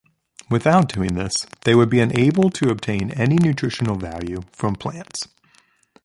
Without doing this they would be unable to obtain any nutritional value from plants.